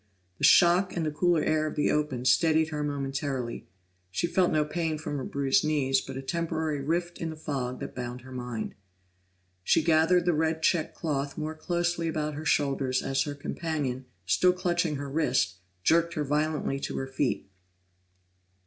The shock and the cooler air of the open steadied her momentarily; she felt no pain from her bruised knees, but a temporary rift in the fog that bound her mind. She gathered the red checked cloth more closely about her shoulders as her companion, still clutching her wrist, jerked her violently to her feet.